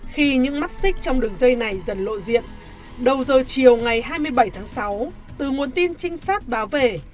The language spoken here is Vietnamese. khi những mắt xích trong đường dây này dần lộ diện đầu giờ chiều ngày hai mươi bảy tháng sáu từ nguồn tin trinh sát báo về